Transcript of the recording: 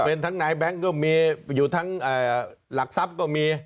เป็นทั้งนายแบงค์ก็มีอยู่ทั้งหลักทรัพย์ก็มี